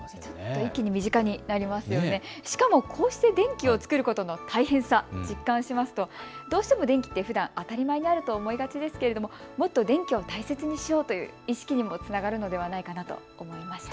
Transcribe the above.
一気に身近になりますのでしかもこうして電気を作ることの大変さ実感しますとどうしても電気ってふだん当たり前にあると思いがちですけれども、もっと電気を大切にしようという意識にもつながるのではないかと思いました。